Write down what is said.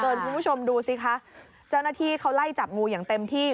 คุณผู้ชมดูสิคะเจ้าหน้าที่เขาไล่จับงูอย่างเต็มที่